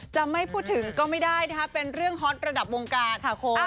จะไม่พูดถึงก็ไม่ได้เป็นเรื่องฮอตระดับวงการ